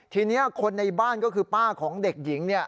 ทีนี้คนในบ้านก็คือป้าของเด็กหญิง